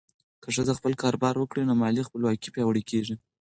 که ښځه خپل کاروبار وکړي، نو مالي خپلواکي پیاوړې کېږي.